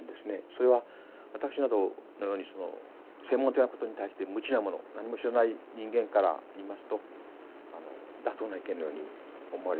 それは私などのように専門的なことに対して無知な者何も知らない人間から言いますと妥当な意見のように思われます。